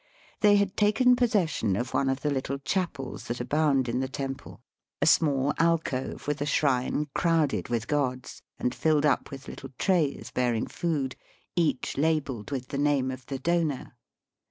They had taken possession of one of the little chapels that abound in the temple, a small alcove with a shrine crowded with gods, and filled up with little trays bearing food, each labelled with the name of the donor.